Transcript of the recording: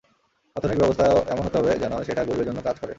অর্থনৈতিক ব্যবস্থা এমন হতে হবে যেন, সেটা গরিবের জন্য কাজ করে।